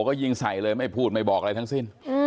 ก็ยิงใส่เลยไม่พูดไม่บอกอะไรทั้งสิ้น